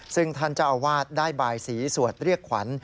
ซึ่งท่านเจ้าอาวาสได้บายสีสวดเรียกขวัญ